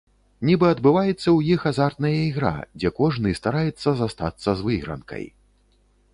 Нібы адбываецца ў іх азартная ігра, дзе кожны стараецца застацца з выйгранкай.